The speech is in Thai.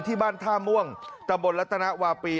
ที่บ้านท่าม่วงตำบลลัตนาวาปี